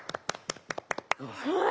はい。